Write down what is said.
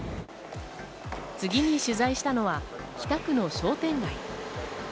次に取材したのは北区の商店街。